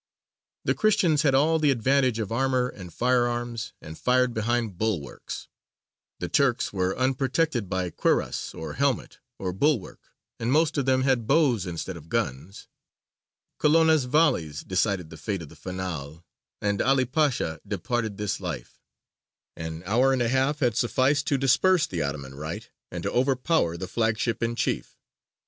The Christians had all the advantage of armour and firearms, and fired behind bulwarks; the Turks were unprotected by cuirass or helmet or bulwark, and most of them had bows instead of guns. Colonna's volleys decided the fate of the Fanal, and 'Ali Pasha departed this life. An hour and a half had sufficed to disperse the Ottoman right and to overpower the flagship in chief.